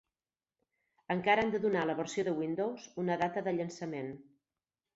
Encara han de donar a la versió de Windows una data de llançament.